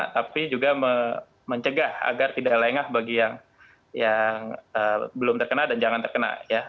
tapi juga mencegah agar tidak lengah bagi yang belum terkena dan jangan terkena